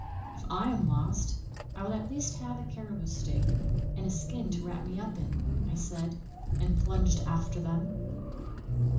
"If I am lost, I will at least have a caribou steak, and a skin to wrap me up in," I said, and plunged after them.